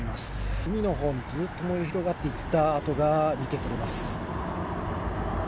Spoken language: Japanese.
海のほうも、ずっと燃え広がっていた跡が見て取れます。